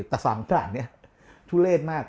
แต่๓ด่านนี้ทุเรศมาก